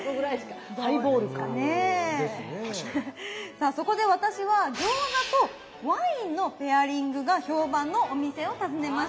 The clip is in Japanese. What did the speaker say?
さあそこで私は餃子とワインのペアリングが評判のお店を訪ねました。